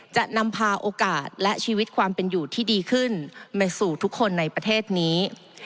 จะนำพาโอกาสและชีวิตความเป็นอยู่ที่ดีขึ้นมาสู่ทุกคนในประเทศนี้